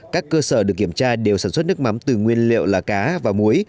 các cơ sở được kiểm tra đều sản xuất nước mắm từ nguyên liệu là cá và muối